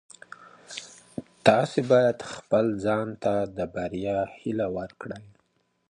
تاسي باید خپل ځان ته د بریا هیله ورکړئ.